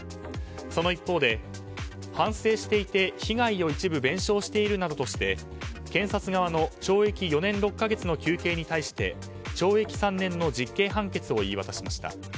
その一方で反省していて被害を一部弁償しているなどとして検察側の懲役４年６か月の求刑に対して懲役３年の実刑判決を言い渡しました。